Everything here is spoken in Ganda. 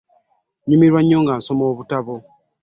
Nyumirwa nnyo nga nsoma obutabo.